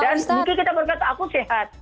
dan mungkin kita berkata aku sehat